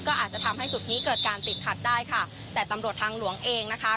ก็อาจจะทำให้จุดนี้เกิดการติดขัดได้ค่ะแต่ตำรวจทางหลวงเองนะคะ